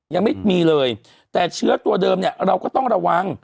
ยังไม่มีเลยแต่เชื้อตัวเดิมเนี่ยเราก็ต้องระวัง